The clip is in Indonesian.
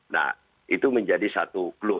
nah itu menjadi satu clue